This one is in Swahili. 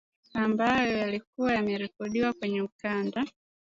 ambayo yalikuwa yamerekodiwa kwenye ukanda